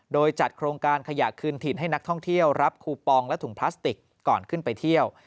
โดยจัดโครงการขยะคืนถิ่นให้นักท่องเที่ยวรับคูปองและถุงพลาสติกก่อนขึ้นไปเที่ยว